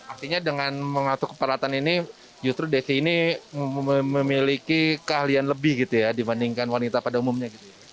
artinya dengan mengasuh ke peralatan ini justru desi ini memiliki keahlian lebih gitu ya dibandingkan wanita pada umumnya gitu ya